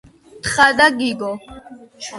თხა და გიგო.